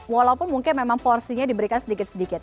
walaupun mungkin memang porsinya diberikan sedikit sedikit